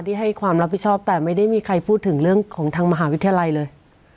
ให้ความรับผิดชอบแต่ไม่ได้มีใครพูดถึงเรื่องของทางมหาวิทยาลัยเลย